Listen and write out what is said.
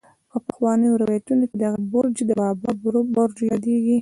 په پخوانو روايتونو کې دغه برج د بابل برج يادېږي.